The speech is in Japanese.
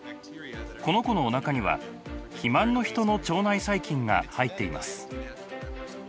この子のおなかには肥満のヒトの腸内細菌が入っています。